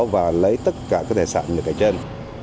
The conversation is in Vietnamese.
và lấy tất cả các tài sản như cái trên